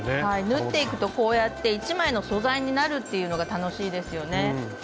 はい縫っていくとこうやって一枚の素材になるっていうのが楽しいですよね。